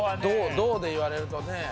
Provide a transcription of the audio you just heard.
道で言われるとね。